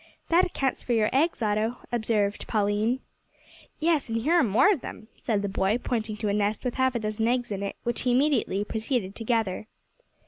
"That accounts for your eggs, Otto," observed Pauline. "Yes, and here are more of them," said the boy, pointing to a nest with half a dozen eggs in it, which he immediately proceeded to gather.